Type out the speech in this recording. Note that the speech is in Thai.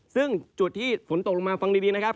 ซึ่งจุดที่ฝนตกลงมาฟังดีนะครับ